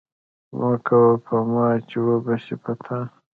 مه کوه په ما، چي وبه سي په تا